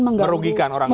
merugikan orang lain